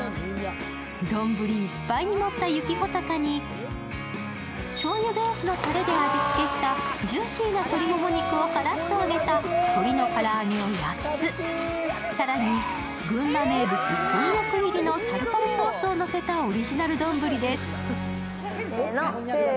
丼いっぱいに盛った雪ほたかにしょうゆベースのたれで味付けたジューシーな鶏もも肉をカラッと揚げた鶏のから揚げを８つ、更に群馬名物・こんにゃく入りのタルタルソースをのせたオリジナル丼です。